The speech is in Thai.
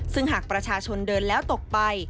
ซึ่งหากประชาชนเดินแล้วตกไป